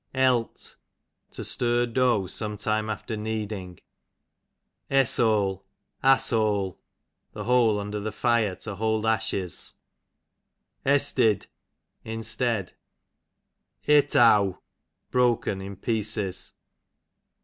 Elt, to stir dough sometime after kneading. Esshole, ]the hole mider the fire to Asliole, ) Iwld ashes. EstiJ, instead. Eteaw, broken; in pieces.